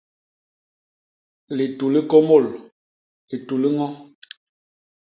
Litu li kômôl, litu li ño?